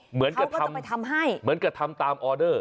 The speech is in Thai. เขาก็จะไปทำให้เหมือนกับทำตามออเดอร์